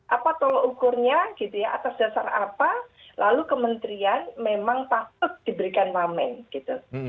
apa tolok ukurnya gitu ya atas dasar apa lalu kementerian memang patut diberikan wamen gitu